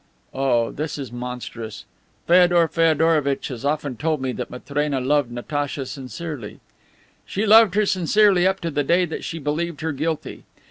"Oh, it is monstrous! Feodor Feodorovitch has often told me that Matrena loved Natacha sincerely." "She loved her sincerely up to the day that she believed her guilty.